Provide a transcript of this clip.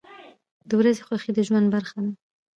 • د ورځې خوښي د ژوند برخه ده.